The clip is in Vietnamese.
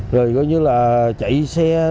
rồi chạy xe